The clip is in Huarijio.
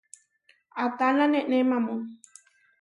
¿Atána neʼnémamu?